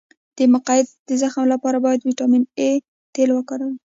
د مقعد د زخم لپاره د ویټامین اي تېل وکاروئ